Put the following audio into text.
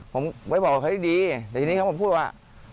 ผมมีบอกให้ดีแต่ทีนี้เขาก็พูดว่า